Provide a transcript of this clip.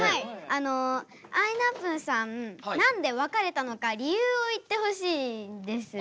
あのあいなぷぅさん何で別れたのか理由を言ってほしいです。